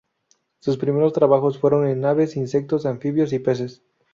Sus primeros trabajos fueron en aves, insectos, anfibios y peces.